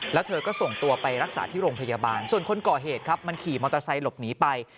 แล้วเธอก็ส่งตัวไปรักษาที่โรงพยาบาลส่วนคนก่อเหตุครับมันขี่มอเตอร์ไซค์หลบหนีไป